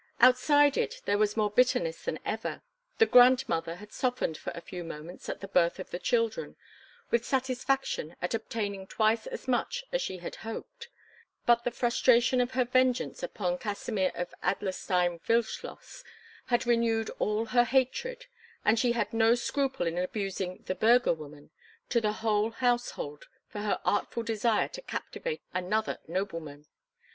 Outside it, there was more bitterness than ever. The grandmother had softened for a few moments at the birth of the children, with satisfaction at obtaining twice as much as she had hoped; but the frustration of her vengeance upon Kasimir of Adlerstein Wildschloss had renewed all her hatred, and she had no scruple in abusing "the burgher woman" to the whole household for her artful desire to captivate another nobleman.